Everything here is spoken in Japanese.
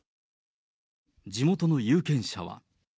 地元の有権者は。